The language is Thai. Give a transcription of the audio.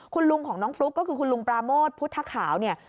คุณลุงของน้องฟลุ๊กก็คือคุณลุงปราโมทพุทธขาวเนี่ย